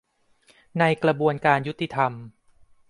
ในกระบวนการยุติธรรม